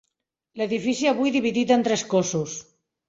L'edifici avui dividit en tres cossos.